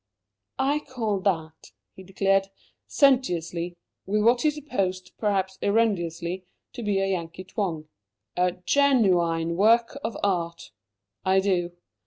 "I call that," he declared, sententiously, with what he supposed, perhaps erroneously, to be a Yankee twang, "a gen u ine work of art. I do.